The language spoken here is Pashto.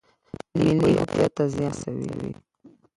ملي هویت ته زیان رسوي.